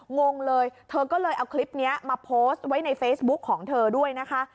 งงเลยเธอก็เลยเอาคลิปนี้มาโพสต์ไว้ในเฟซบุ๊กของเธอด้วยนะคะ